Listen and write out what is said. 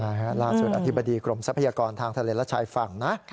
ใช่ฮะล่าสุดอธิบดีกรมทรัพยากรทางทะเลและชายฝั่งนะ